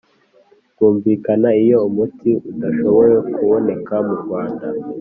bwumvikane Iyo umuti udashoboye kuboneka murwanda